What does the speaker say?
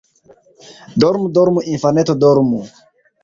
Dormu, dormu, infaneto, Dormu!